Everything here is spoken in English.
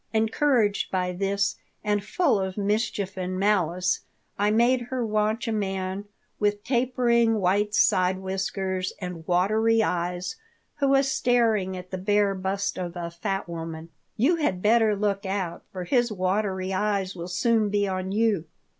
Encouraged by this and full of mischief and malice, I made her watch a man with tapering white side whiskers and watery eyes who was staring at the bare bust of a fat woman "You had better look out, for his watery eyes will soon be on you."